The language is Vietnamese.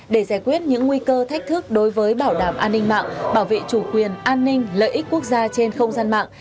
để giải quyết những nguy cơ thách thức đối với bảo đảm an ninh mạng bảo vệ chủ quyền an ninh lợi ích quốc gia trên không gian mạng